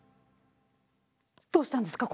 どうしたんですか？